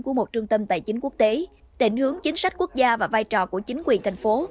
của một trung tâm tài chính quốc tế định hướng chính sách quốc gia và vai trò của chính quyền thành phố